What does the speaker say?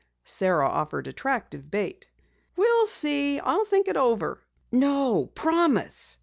Sara offered attractive bait. "We'll see. I'll think it over." "No, promise!"